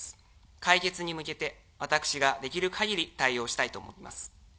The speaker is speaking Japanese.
解決に向けて、私ができる限り対応したいと思います。